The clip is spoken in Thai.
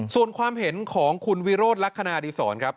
ส่วนความเห็นของคุณวิโรธลักษณะดีศรครับ